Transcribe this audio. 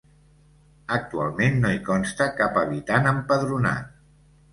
Actualment no hi consta cap habitant empadronat.